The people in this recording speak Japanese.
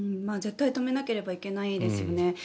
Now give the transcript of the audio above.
絶対止めなければいけないですよね。